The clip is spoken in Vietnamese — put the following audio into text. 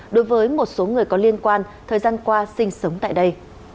đối với một số người có liên quan thời gian qua sinh sống tại đây